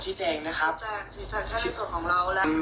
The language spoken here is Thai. ชิดแจงชิดแจงแค่ในส่วนของเรา